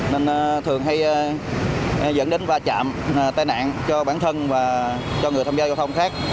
nên thường hay dẫn đến va chạm tai nạn cho bản thân và cho người tham gia giao thông khác